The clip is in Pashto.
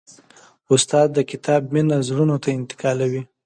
استاد د کتاب مینه زړونو ته انتقالوي.